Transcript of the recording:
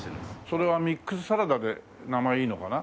それはミックスサラダで名前いいのかな？